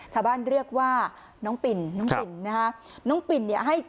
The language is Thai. ชาบ้านเลือกว่าร้านน้องปิ่นน้องปิ่นน่ะ